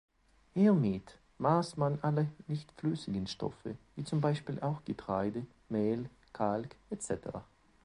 Hiermit maß man alle nicht-flüssigen Stoffe, wie zum Beispiel auch Getreide, Mehl, Kalk etc.